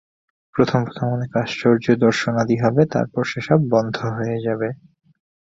প্রথম প্রথম অনেক আশ্চর্য দর্শনাদি হবে, তারপর সে-সব বন্ধ হয়ে যাবে।